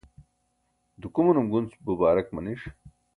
dukumanum gunc bubaarak maniṣ